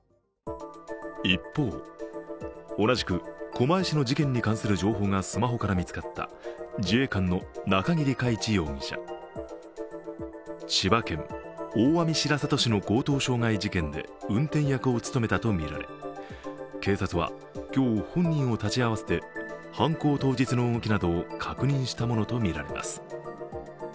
一方、同じく狛江市の事件に関する情報がスマホから見つかった自衛官の中桐海知容疑者。千葉県大網白里市の強盗傷害事件で運転役を務めたとみられ警察は今日、本人を立ち会わせて犯行当日の動きなどを確認したものとみられます。